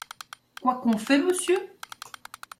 Quoi qu’on fait, monsieur ?